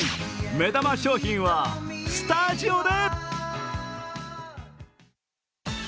目玉商品はスタジオで！